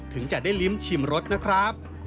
ถึงจะได้ลิ้มชิมรสนะครับ